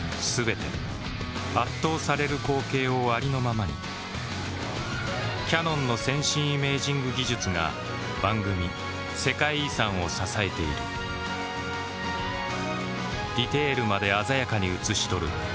全て圧倒される光景をありのままにキヤノンの先進イメージング技術が番組「世界遺産」を支えているディテールまで鮮やかに映し撮る